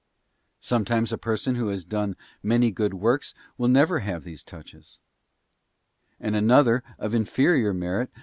Sometimes a person who has done many good works will never have these touches, and another of inferior merit, will * Jerem.